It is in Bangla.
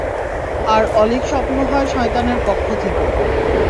আর অলীক স্বপ্ন হয় শয়তানের পক্ষ থেকে।